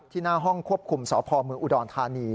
หน้าห้องควบคุมสพเมืองอุดรธานี